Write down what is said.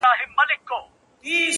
• قدم وهلو ته تللی وم ,